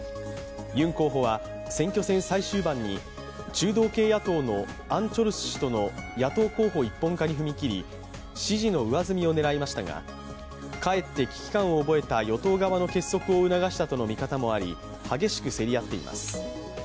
ユン候補は選挙戦最終盤に中道系野党のアン・チョルス氏との野党候補一本化に踏み切り支持の上積みを狙いましたが、かえって危機感を覚えた与党側の結束を促したとの見方もあり激しく競り合っています。